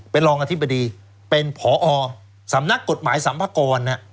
เป็นรองอธิบดีเป็นผอสำนักกฎหมายสัมภากร